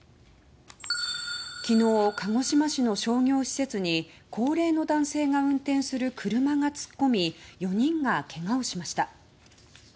昨日、鹿児島市の商業施設に高齢の男性が運転する車が突っ込み４人がけがをしました。